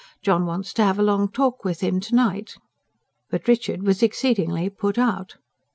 John wants to have a long talk with him to night." But Richard was exceedingly put out.